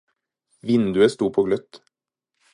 Vinduet stod på gløtt.